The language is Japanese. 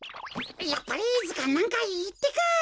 やっぱりずかんなんかいいってか。